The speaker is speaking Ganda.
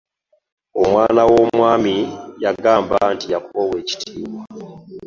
Omwana w'omwami yangamba nti yakoowa ebitiibwa.